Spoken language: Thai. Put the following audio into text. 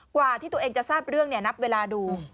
กว่าที่ตัวเองจะทราบเรื่องนับเวลาดู